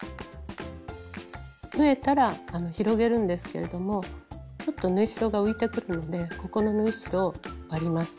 縫えたら広げるんですけれどもちょっと縫い代が浮いてくるんでここの縫い代を割ります。